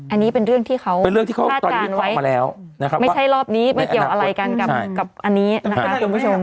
อันนี้เป็นเรื่องที่เขาพลาดการไว้ไม่ใช่รอบนี้มันเกี่ยวอะไรกันกับอันนี้นะครับคุณผู้ชม